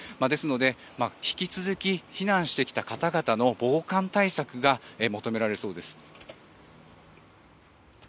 ですので、引き続き避難してきた方々の防寒対策が求められそうです。